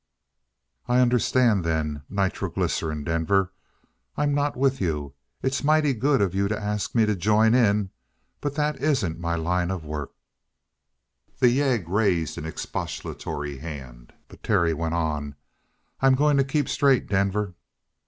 "I understand, then. Nitroglycerin? Denver, I'm not with you. It's mighty good of you to ask me to join in but that isn't my line of work." The yegg raised an expostulatory hand, but Terry went on: "I'm going to keep straight, Denver."